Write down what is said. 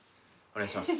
お願いします。